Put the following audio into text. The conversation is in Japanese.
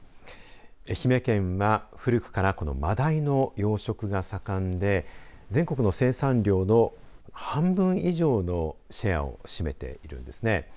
愛媛県は古くからこのまだいの養殖が盛んで全国の生産量の半分以上のシェアを占めているんですね。